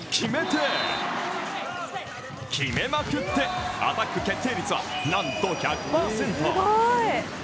決めまくって、アタック決定率は、なんと１００％。